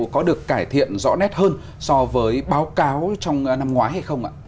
có được cải thiện rõ nét hơn so với báo cáo trong năm ngoái hay không ạ